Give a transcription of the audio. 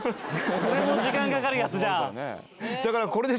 時間かかるやつじゃん。